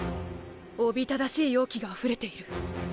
おびただしい妖気が溢れている。